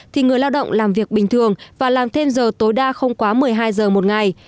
thì người lao động làm việc bình thường và làm thêm giờ tối đa không quá một mươi hai giờ một ngày